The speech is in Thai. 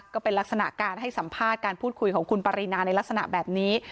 ก็เป็นลักษณะการให้สัมภาษณ์การพูดคุยของคุณปรินาในลักษณะแบบนี้